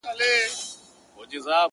څو بې غیرته قاتلان اوس د قدرت پر ګدۍ.!